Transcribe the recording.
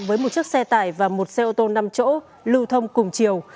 với một chiếc xe tải và một xe ô tô năm chỗ lưu thông cùng chiều